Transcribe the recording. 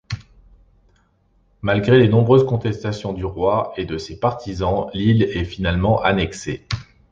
Malgré les nombreuses contestations du roi et de ses partisans, l'île est finalement annexer.